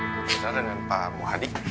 bisa dengan pak muhadi